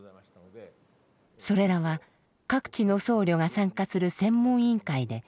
それらは各地の僧侶が参加する専門委員会で調査されます。